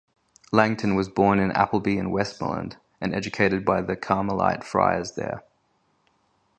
Langton was born in Appleby-in-Westmorland, and educated by the Carmelite friars there.